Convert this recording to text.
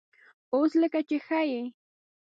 _اوس لکه چې ښه يې؟